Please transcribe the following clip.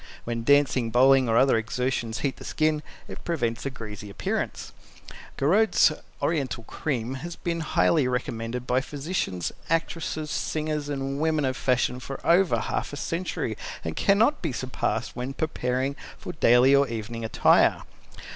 When dancing, bowling or other exertions heat the skin, it prevents a greasy appearance. Gouraud's Oriental Cream has been highly recommended by physicians, actresses, singers and women of fashion for over half a century and cannot be surpassed when preparing for daily or evening attire.